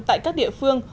tại các địa phương